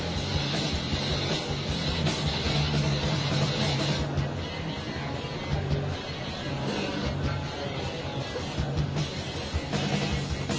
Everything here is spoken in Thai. เวลาที่มันได้รู้จักกันแล้วเวลาที่ไม่รู้จักกัน